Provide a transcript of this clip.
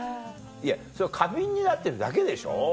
いやそれは過敏になってるだけでしょ。